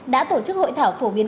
đã tổ chức hội thảo phổ biến kế hoạch